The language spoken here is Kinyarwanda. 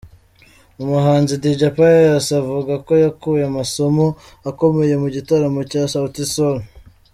Umuhanzi Dj Pius avuga ko yakuye amasomo akomeye mu gitaramo cya Sauti Sol.